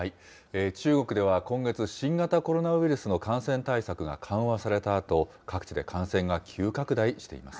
中国では今月、新型コロナウイルスの感染対策が緩和されたあと、各地で感染が急拡大しています。